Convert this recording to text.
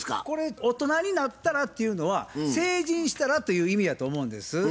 これ大人になったらというのは成人したらという意味やと思うんです。